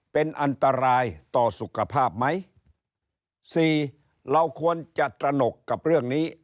เป็นอันตรายต่อสุขภาพไหมสี่เราควรจะตระหนกกับเรื่องนี้